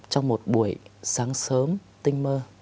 trong một buổi sáng sớm tinh mơ